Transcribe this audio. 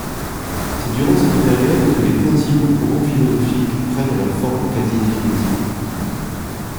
C'est durant cette période que les principaux courants philosophiques prennent leur forme quasi-définitive.